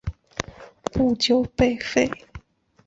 不久被废。